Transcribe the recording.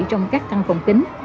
trong các thăng phòng kính